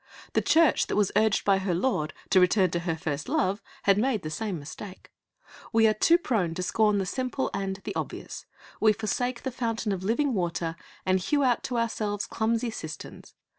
The Church that was urged by her Lord to return to her first love had made the same mistake. We are too prone to scorn the simple and the obvious. We forsake the fountain of living water, and hew out to ourselves clumsy cisterns.